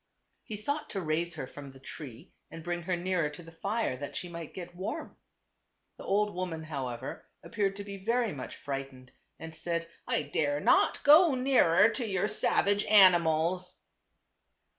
He sought to raise her from the tree and bring her nearer to the fire, that she might get warm. The old woman, however, appeared to be very much frightened, and said, "I dare not go nearer to your savage animals."